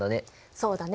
そうだね。